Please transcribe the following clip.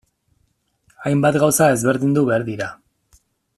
Hainbat gauza ezberdindu behar dira.